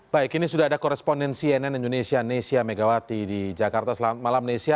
baik ini sudah ada korespondensi cnn indonesia nesia megawati di jakarta selamat malam